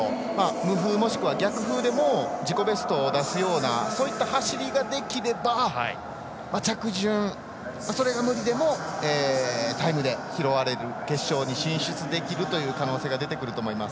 無風もしくは逆風でも自己ベストを出すような走りができれば着順、それが無理でもタイムで拾われる決勝に進出できる可能性が出てくると思います。